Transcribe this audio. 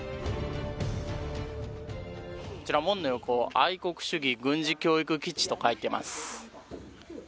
こちら門の横、愛国主義軍事教育基地と書いています。